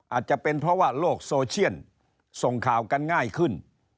อาจจะเป็นเพราะว่าโลกโซเชียลส่งข่าวกันง่ายขึ้น